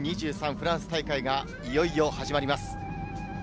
フランス大会がいよいよ始まります。